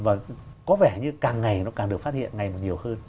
và có vẻ như càng ngày nó càng được phát hiện ngày càng nhiều hơn